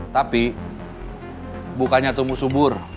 tapi bukannya tumbuh subur